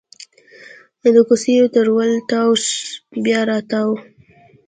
د کوڅېو تر ول تاو شي بیا راتاو